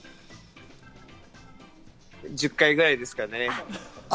１０回ぐらいですかね。